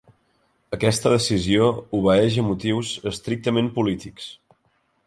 Aquesta decisió obeeix a motius estrictament polítics.